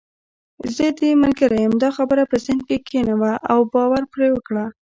زه دې ملګرې یم، دا خبره په ذهن کې کښېنوه او باور پرې وکړه.